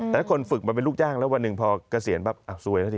แล้วคนฝึกมาเป็นลูกจ้างแล้ววันหนึ่งพอเกษียณปั๊บซวยแล้วสิ